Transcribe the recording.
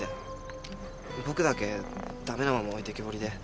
僕だけダメなまま置いてきぼりで。